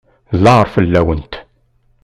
D lɛaṛ fell-awent!